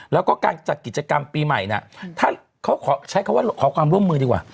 แล้วก็การจัดกิจกรรมปีใหม่นะใช้คำว่าขอความร่วมมือดีกว่า